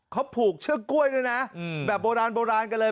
เขาผูกเชือกกล้วยด้วยนะแบบโบราณโบราณกันเลย